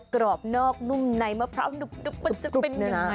กรอบนอกนุ่มในมะพร้าวดึบมันจะเป็นยังไง